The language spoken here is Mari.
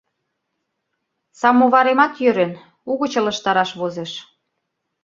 Самоваремат йӧрен, угыч ылыжтараш возеш.